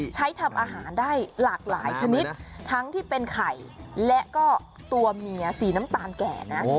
ทำอาหารได้หลากหลายชนิดทั้งที่เป็นไข่และก็ตัวเมียสีน้ำตาลแก่นะ